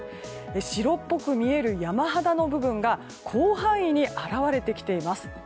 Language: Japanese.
白っぽく見える山肌の部分が広範囲に表れてきています。